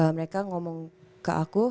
mereka ngomong ke aku